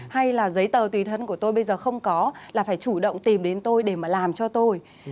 hay là giấy tờ tùy thân của tôi bây giờ không có là phải chủ động tìm đến tôi để mà làm cho tôi